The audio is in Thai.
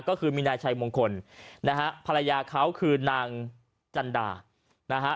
ก็คือมีนายชัยมงคลนะฮะภรรยาเขาคือนางจันดานะฮะ